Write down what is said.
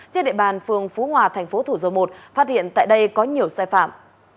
trên địa bàn phường phú hòa tp thủ dâu môn phát hiện tại đây có nhiều sai phạm